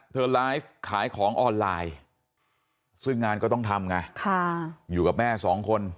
ไลฟ์ขายของออนไลน์ซึ่งงานก็ต้องทำไงอยู่กับแม่สองคน